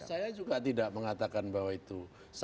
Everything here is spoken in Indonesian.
saya juga tidak mengatakan bahwa itu